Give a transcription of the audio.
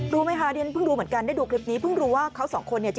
รู้ไหมคะเรียนเพิ่งรู้เหมือนกันได้ดูคลิปนี้เพิ่งรู้ว่าเขาสองคนเนี่ย